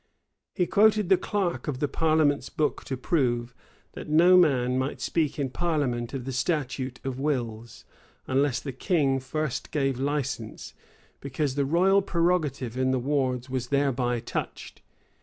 He quoted the clerk of the parliament's book to prove, that no man might speak in parliament of the statute of wills, unless the king first gave license; because the royal prerogative in the wards was thereby touched.